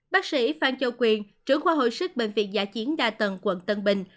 bác sĩ phan châu quyền trưởng khoa hồi sức bệnh viện giả chiến đa tầng quận tân bình